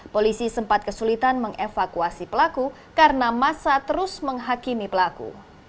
polisi sempat kesulitan mengevakuasi pelaku karena masa terus menghakimi pelaku